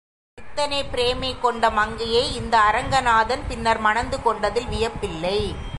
இத்தனை பிரேமை கொண்ட மங்கையை இந்த அரங்கநாதன் பின்னர் மணந்து கொண்டதில் வியப்பில்லை.